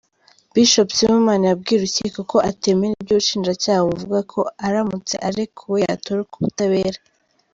Bishop Sibomana yabwiye urukiko ko atemera ibyo ubushinjacyaha buvuga ko aramutse arekuwe yatoroka ubutabera.